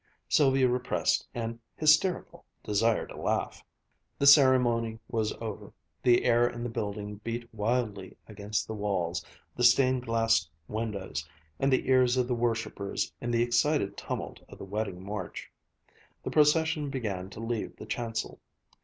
Sylvia repressed an hysterical desire to laugh. The ceremony was over; the air in the building beat wildly against the walls, the stained glass windows, and the ears of the worshipers in the excited tumult of the wedding march; the procession began to leave the chancel.